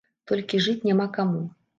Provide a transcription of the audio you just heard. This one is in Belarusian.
Толькі жыць няма каму.